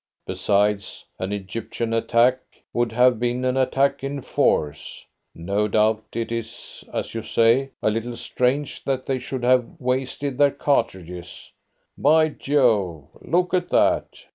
Besides, an Egyptian attack would have been an attack in force. No doubt it is, as you say, a little strange that they should have wasted their cartridges by Jove, look at that!"